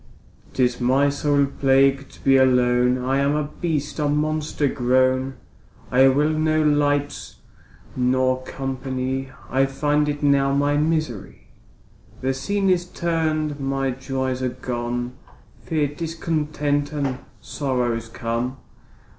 'Tis my sole plague to be alone, I am a beast, a monster grown, I will no light nor company, I find it now my misery. The scene is turn'd, my joys are gone, Fear, discontent, and sorrows come.